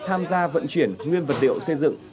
tham gia vận chuyển nguyên vật liệu xây dựng